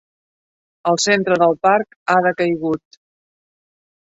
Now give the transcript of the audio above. El centre del parc ha decaigut.